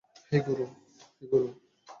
হেই, গুরু!